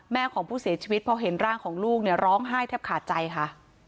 ของผู้เสียชีวิตพอเห็นร่างของลูกเนี่ยร้องไห้แทบขาดใจค่ะ